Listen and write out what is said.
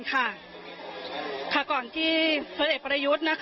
ก่อนที่พลเอกประยุทธ์